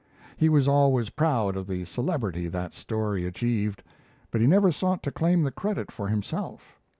He was always proud of the celebrity that story achieved; but he never sought to claim the credit for himself.